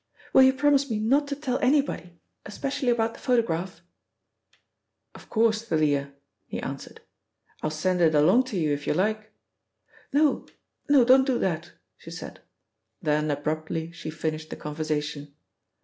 "Will you promise me not to tell anybody, especially about the photograph?" "Of course, Thalia," he answered. "I'll send it along to you, if you like." "No, no, don't do that," she said, then abruptly she finished the conversation.